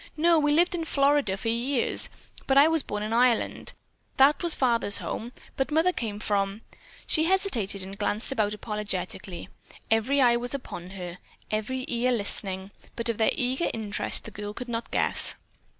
"No, we lived in Florida for years, but I was born in Ireland. That was father's home, but Mother came from—" She hesitated and glanced about apologetically. Every eye was upon her, every ear listening, but of their eager interest the girl could not guess.